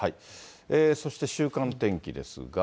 そして週間天気ですが。